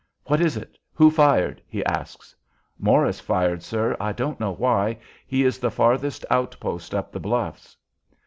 "What is it? Who fired?" he asks. "Morris fired, sir: I don't know why. He is the farthest post up the bluffs."